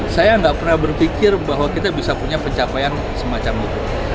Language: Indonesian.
saya nggak pernah berpikir bahwa kita bisa punya pencapaian semacam itu